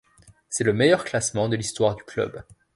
C'est le meilleur classement de l'histoire du club.